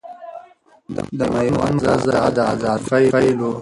د ميوند غزا د اذادۍ پيل ؤ